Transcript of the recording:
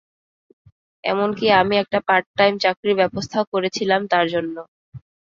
এমনকি আমি একটা পার্ট-টাইম চাকরির ব্যবস্থাও করেছিলাম তার জন্য।